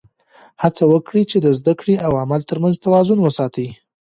هڅه وکړه چې د زده کړې او عمل تر منځ توازن وساته.